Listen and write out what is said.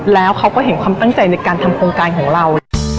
แล้วเขาก็เห็นความตั้งใจในการทำโครงการของเรา